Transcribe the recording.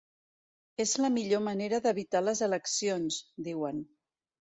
“És la millor manera d’evitar les eleccions”, diuen.